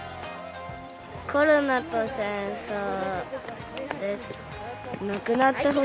コロナと戦争です。